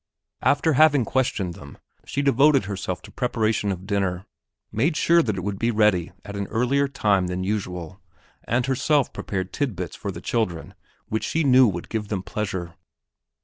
After having questioned them she devoted herself to the preparation of dinner, made sure that it would be ready at an earlier time than usual, and herself prepared tidbits for the children which she knew would give them pleasure.